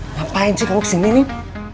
ngapain sih kamu kesini nih